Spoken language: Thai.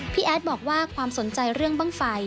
แอดบอกว่าความสนใจเรื่องบ้างไฟ